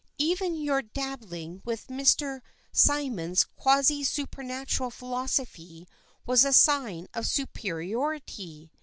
Even your dabbling with Mr. Symeon's quasi supernatural philosophy was a sign of superiority.